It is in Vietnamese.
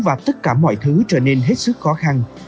và tất cả mọi thứ trở nên hết sức khó khăn